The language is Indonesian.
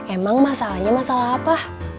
emang masalahnya masalah apa